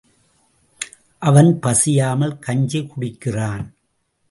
அவன் பசியாமல் கஞ்சி குடிக்கிறான்.